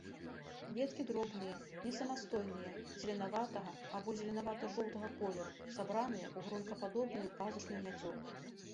Кветкі дробныя, несамастойныя, зелянявага або зелянява-жоўтага колеру, сабраныя ў гронкападобную пазушную мяцёлку.